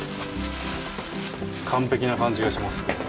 完璧な感じがします。